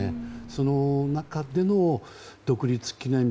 その中での独立記念日。